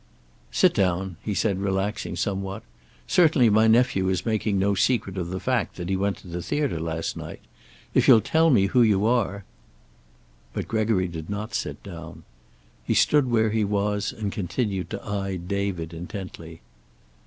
"Sit down," he said, relaxing somewhat. "Certainly my nephew is making no secret of the fact that he went to the theater last night. If you'll tell me who you are " But Gregory did not sit down. He stood where he was, and continued to eye David intently.